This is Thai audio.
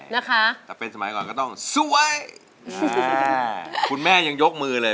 นะคะถ้าเป็นสมัยก่อนก็ต้องสวยคุณแม่ยังยกมือเลย